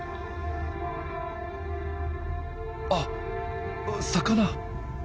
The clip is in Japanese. あっ魚！